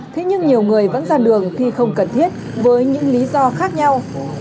thế nhưng nhiều người vẫn ra đường khi không cần thiết với những lý do khác nhau